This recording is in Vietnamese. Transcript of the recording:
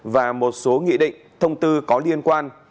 và một số nghị định thông tư có liên quan